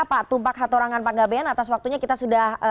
pak tumpak hatorangan pak gaben atas waktunya kita sudah